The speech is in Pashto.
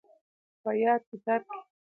په ياد کتاب کې